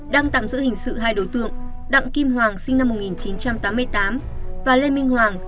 đang tạm giữ hình sự hai đối tượng đặng kim hoàng và lê minh hoàng